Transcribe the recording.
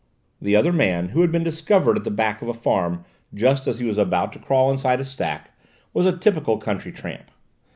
The other man, who had been discovered at the back of a farm just as he was about to crawl inside a stack, was a typical country tramp.